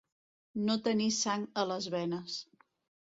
No tenir sang a les venes.